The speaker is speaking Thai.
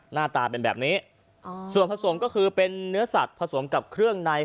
หน้าตาเป็นแบบนี้ส่วนผสมก็คือเป็นเนื้อสัตว์ผสมกับเครื่องใน